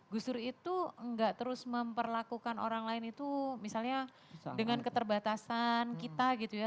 gus dur itu enggak terus memperlakukan orang lain itu misalnya dengan keterbatasan kita gitu ya